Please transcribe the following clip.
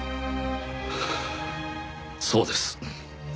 そうです。